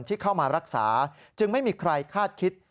ที่เข้ามารักษาจึงไม่มีใครคาดคิด